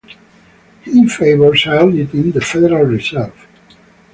He favors auditing the Federal Reserve.